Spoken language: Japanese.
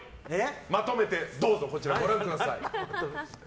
まとめてどうぞご覧ください。